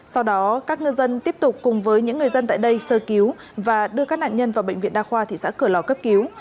sau đó các ngư dân tiếp tục cùng với những người dân tại đây sơ cứu và đưa các nạn nhân vào bệnh viện đa khoa thị xã cửa lò cấp cứu